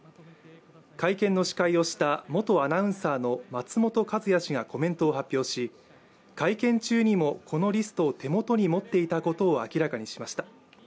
会見の司会をした元アナウンサーの松本和也氏がコメントを発表し、会見中にもこのリストを手元に持っていたことを明らかにしました。